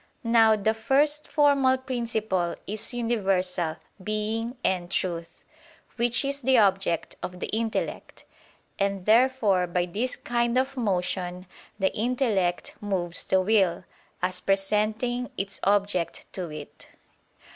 Now the first formal principle is universal "being" and "truth," which is the object of the intellect. And therefore by this kind of motion the intellect moves the will, as presenting its object to it.